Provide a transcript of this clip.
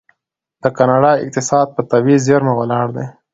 د کاناډا اقتصاد په طبیعي زیرمو ولاړ دی.